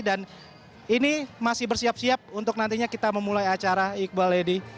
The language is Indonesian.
dan ini masih bersiap siap untuk nantinya kita memulai acara iqbal lady